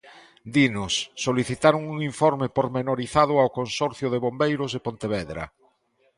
Dinos: solicitaron un informe pormenorizado ao Consorcio de Bombeiros de Pontevedra.